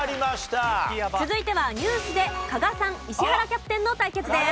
続いてはニュースで加賀さん石原キャプテンの対決です。